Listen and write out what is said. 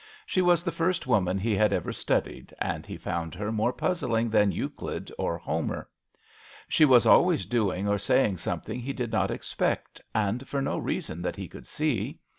She was the first woman he had ever studied, and he found her more puzzling than Euclid or Homer. She was always doing or saying some thing he did not expect, and for 176 MISS AWDRKY AT HOME. no reason that he could see.